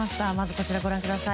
こちらご覧ください。